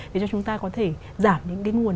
để cho chúng ta có thể giảm những cái nguồn